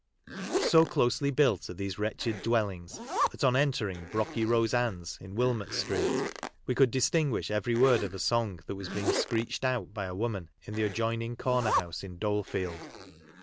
So closely built are these wretched dwellings that on entering Brocky Rose Ann's, in Willmott street, we could distinguish every word of a song that was being screeched out by a woman in the adjoining corner house in Dolefield.